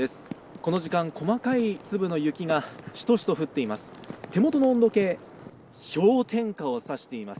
この時間、細かい雪がしとしと降っています